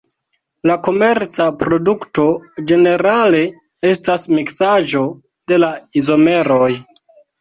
La komerca produkto ĝenerale estas miksaĵo de la izomeroj.